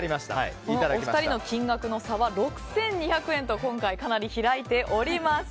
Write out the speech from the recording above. お二人の金額の差は６２００円と今回、かなり開いております。